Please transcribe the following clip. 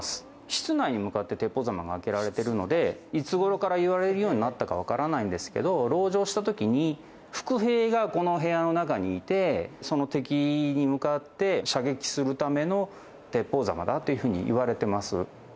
室内に向かって鉄砲狭間が開けられてるのでいつ頃から言われるようになったかわからないんですけど籠城した時に伏兵が、この部屋の中にいてその敵に向かって射撃するための鉄砲狭間だという風にいわれてます。